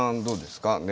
どうですか？